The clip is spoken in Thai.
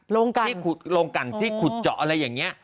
โรงกังโรงกังที่ขุดเจาะอะไรอย่างเงี้ย